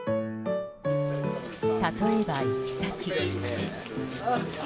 例えば、行き先。